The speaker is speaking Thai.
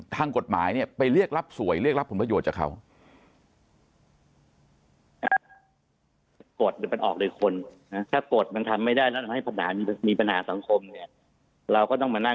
ทางกฎหมายเนี่ยไปเรียกรับสวยเรียกรับผลประโยชน์จากเขา